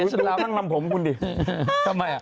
จริงอย่างนี้ฉันรับ